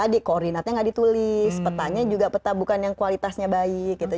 jadi koordinatnya nggak ditulis petanya juga peta bukan yang kualitasnya baik gitu